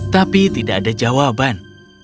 tapi tidak ada jawaban